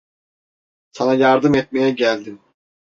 Sana yardım etmeye geldim.